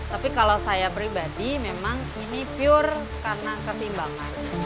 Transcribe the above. tapi kalau saya pribadi memang ini pure karena keseimbangan